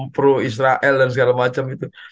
pro israel dan segala macam gitu